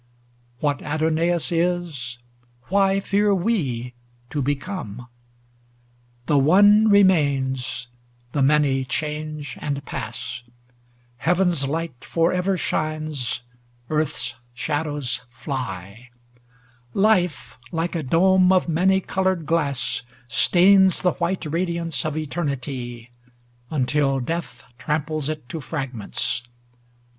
What Adonais is, why fear we to become ? LII The One remains, the many change and pass; Heaven's light forever shines, Earth's shadows fly; Life, like a dome of many colored glass, Stains the white radiance of Eternity, Until Death tramples it to fragments.